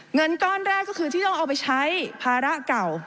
เงินก้อนแรกก็คือที่ต้องเอาไปใช้ภาระเก่า